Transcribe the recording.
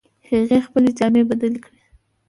هغې خپلې جامې بدلې کړې